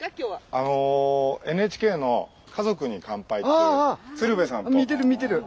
あのＮＨＫの「家族に乾杯」という鶴瓶さんとの。